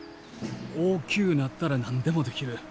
大きゅうなったら何でもできる。